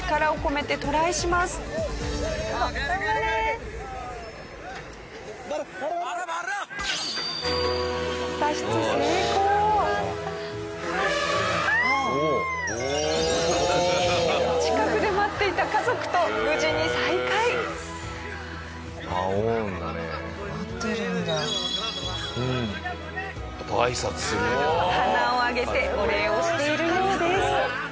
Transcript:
鼻を上げてお礼をしているようです。